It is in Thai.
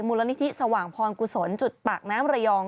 มูลนิธิสว่างพรกุศลจุดปากน้ำระยอง